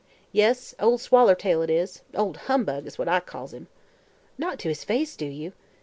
"Yes, Ol' Swallertail is. 'Ol' Humbug' is what I calls him." "Not to his face, do you?"